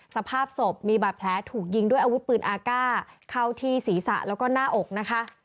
สภาพศพมีบาดแผลถูกยิงด้วยอาวุธปืนอากาศเข้าที่ศีรษะแล้วก็หน้าอกนะคะ